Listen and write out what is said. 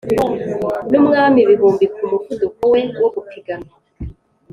ni umwami; ibihumbi ku muvuduko we wo gupiganwa